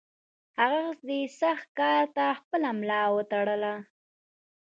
هغه دې سخت کار ته خپله ملا وتړله.